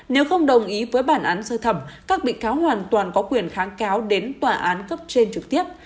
nếu không đồng ý với bản án sơ thẩm các bị cáo hoàn toàn có quyền kháng cáo đến tòa án cấp trên trực tiếp